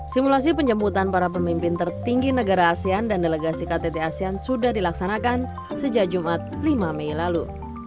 simulasi penjemputan para pemimpin tertinggi negara asean dan delegasi ktt asean sudah dilaksanakan sejak jumat lima mei lalu